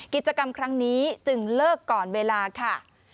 กิจกรรมครั้งนี้จึงเลิกก่อนเวลาค่ะ